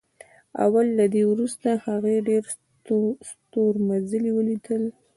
او له دې وروسته هغې ډېر ستورمزلي ولیدل